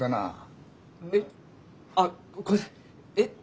えっ？あっ。えっ？